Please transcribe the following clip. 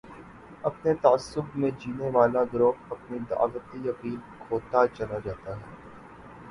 اپنے تعصب میں جینے والا گروہ اپنی دعوتی اپیل کھوتا چلا جاتا ہے۔